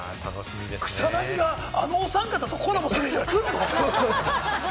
草薙があのおさん方とコラボする日が来るんですか？